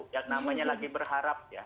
yang namanya lagi berharap ya